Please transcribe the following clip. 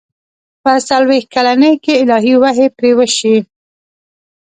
په څلوېښت کلنۍ کې الهي وحي پرې وشي.